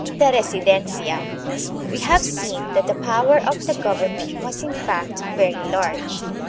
The " Residencia." We have seen that the power of the governor was in fact very large.